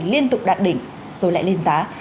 liên tục đạt đỉnh rồi lại lên giá